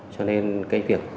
cho nên cái việc